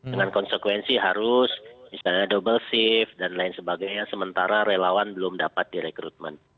dengan konsekuensi harus misalnya double shift dan lain sebagainya sementara relawan belum dapat direkrutmen